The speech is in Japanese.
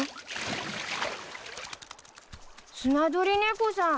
スナドリネコさん。